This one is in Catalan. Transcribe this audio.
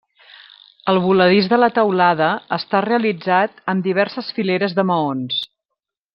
El voladís de la teulada està realitzat amb diverses fileres de maons.